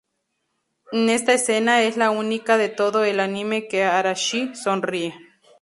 En esta escena es en la única de todo el anime que Arashi sonríe.